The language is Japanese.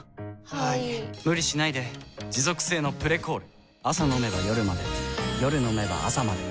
はい・・・無理しないで持続性の「プレコール」朝飲めば夜まで夜飲めば朝まで